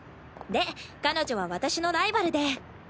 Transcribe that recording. で彼女は私のライバルで。